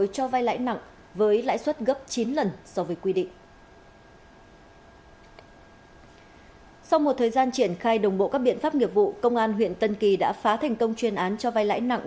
cơ quan cảnh sát điều tra công an huyện tân kỳ đã phá thành công chuyên án cho vai lãi nặng